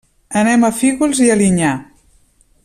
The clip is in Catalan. Anem a Fígols i Alinyà.